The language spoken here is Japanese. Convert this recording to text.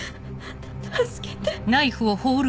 助けて。